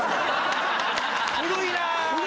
古いな！